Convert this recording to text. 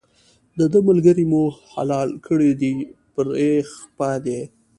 دده ملګری مو حلال کړی دی پرې خپه دی.